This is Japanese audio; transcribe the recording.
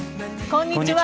こんにちは。